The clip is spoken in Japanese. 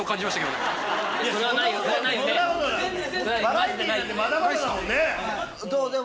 どう？